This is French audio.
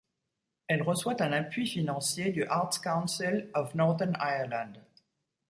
Elle reçoit un appui financier du Arts Council of Northern Ireland.